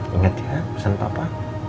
ingat ya pesan papa